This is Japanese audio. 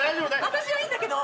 私はいいんだけど。